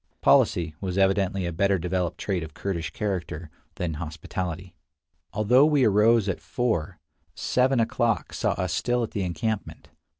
Policy was evidently a better developed trait of Kurdish character than hospitality. Although we arose at four, seven o'clock saw us still at the encampment.